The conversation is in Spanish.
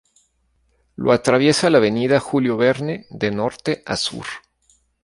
Lo atraviesa la avenida Julio Verne de Norte a Sur.